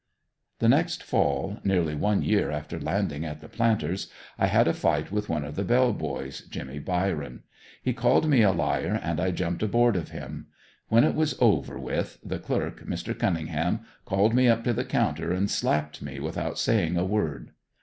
The next fall, nearly one year after landing at the "Planters," I had a fight with one of the bell boys, Jimmie Byron. He called me a liar and I jumped aboard of him. When it was over with, the clerk, Mr. Cunningham, called me up to the counter and slapped me without saying a word.